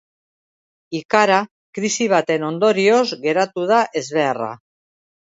Ikara krisi baten ondorioz geratu da ezbeharra.